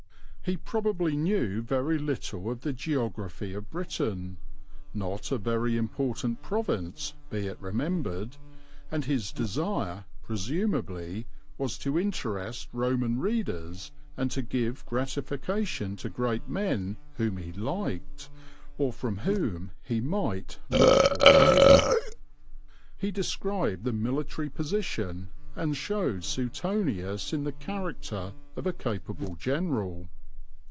He probably knew very little of the geography of Britain not a very important province, be it remembered and his desire, presumably, was to interest Roman readers and to give gratification to great men whom he liked, or from whom he might look for favour. He described the military position and showed Suetonius in the character of a capable general.